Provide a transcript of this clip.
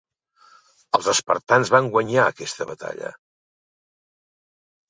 Els espartans van guanyar aquesta batalla.